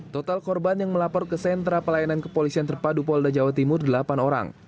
total korban yang melapor ke sentra pelayanan kepolisian terpadu polda jawa timur delapan orang